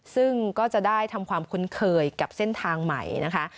ซึ่งก็จะได้ทำความคุ้นเคยกับเส้นทางใหม่นะคะ